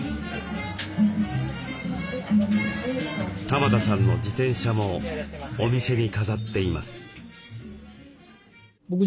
玉田さんの自転車もお店に飾っています。